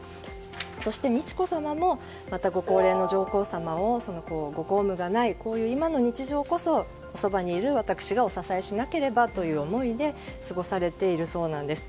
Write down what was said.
そして、美智子さまもご高齢の上皇さまをご公務がないこういう今の日常こそおそばにいる私がおささえしなければという思いで過ごされているそうなんです。